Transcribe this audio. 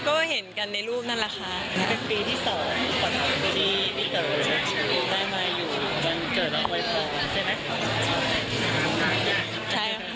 ก็เห็นกันในรูปนั่นแหละค่ะ